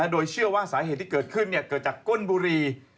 โดยเชื่อว่าสาเหตุที่เกิดขึ้นเกิดจากก้นบุรี